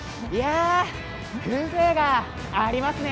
風情がありますね。